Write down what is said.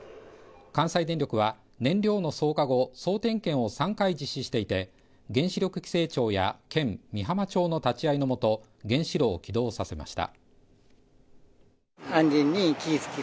関西電力は燃料の装荷後、総点検を３回実施していて、原子力規制庁や県、美浜町の立ち会いのもと、原子炉を起動させました。